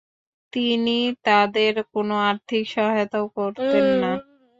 তিনি তাদের কোন আর্থিক সহায়তাও করতেন না।